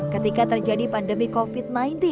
ketika terjadi pandemi covid sembilan belas